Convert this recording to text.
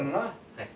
はい。